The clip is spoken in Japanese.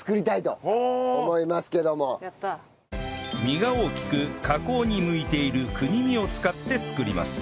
実が大きく加工に向いている国見を使って作ります